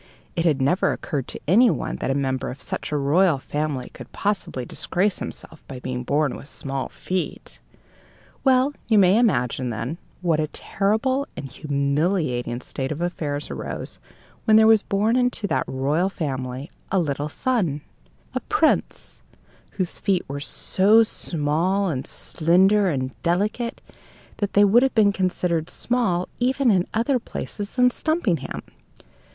It had never occurred to anyone that a member of such a royal family could possibly disgrace himself by being born with small feet. Well, you may imagine, then, what a terrible and humiliating state of affairs arose when there was born into that royal family a little son, a prince, whose feet were so very small and slender and delicate that they would have been considered small even in other places than Stumpinghame.